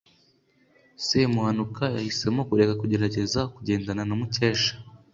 semuhanuka yahisemo kureka kugerageza kugendana na mukesha